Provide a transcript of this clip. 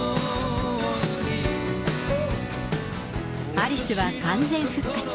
アリスは完全復活。